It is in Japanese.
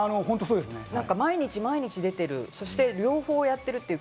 毎日毎日出てる、そして両方やってるという。